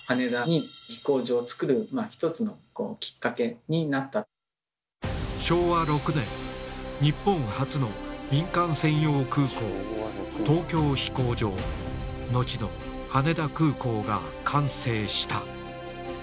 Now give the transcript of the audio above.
いやあった昭和６年日本初の民間専用空港「東京飛行場」後の「羽田空港」が完成した。